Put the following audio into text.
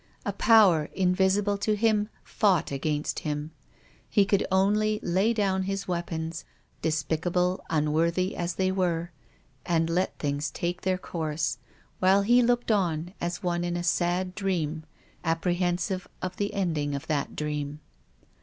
A Power invisible to him fought against him. He could only lay down his weapons, — despicable, unworthy, as they were, — and let things take their course, while he looked on as one in a sad dream, apprehensive of the ending of that dream.